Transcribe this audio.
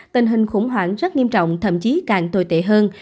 tình hình khủng hoảng rất nghiêm trọng thậm chí càng tồi tệ hơn